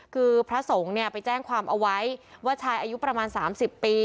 คือพระสงฆ์เนี่ยไปแจ้งความเอาไว้ว่าชายอายุประมาณ๓๐ปี